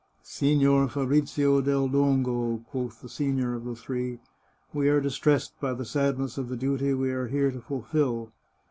" Signor Fabrizio del Dongo," quoth the senior of the three. " We are distressed by the sadness of the duty we are here to fulfil.